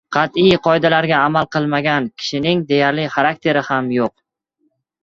Qat’iy qoidalarga amal qilmagan kishining deyarli xarakteri ham yo‘q.